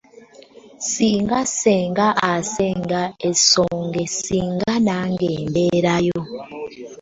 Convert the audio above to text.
Singa ssenga asenga essonga singa nange mberayo.